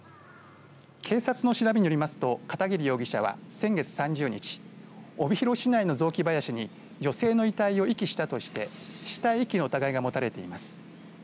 警察の調べによりますと片桐容疑者は先月３０日、帯広市内の雑木林に女性の遺体を遺棄したとして死体遺棄の疑いが持たれています。